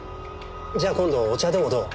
じゃあ今度お茶でもどう？